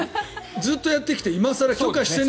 ずっとやってきて今更、許可して。